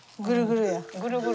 グルグルや。